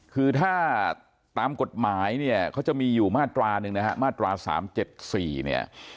คือถ้าตามกฎหมายเนี่ยเขาจะมีอยู่มาตราหนึ่งนะฮะมาตรา๓๗๔เนี่ย